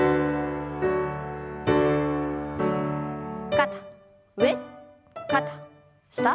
肩上肩下。